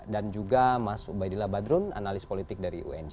dan juga mas ubaidillah badrun analis politik dari unj